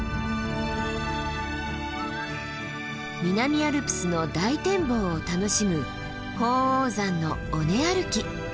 南アルプスの大展望を楽しむ鳳凰山の尾根歩き。